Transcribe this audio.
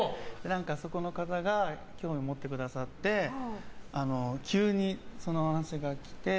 そこの方が興味を持ってくださって急にそのお話がきて。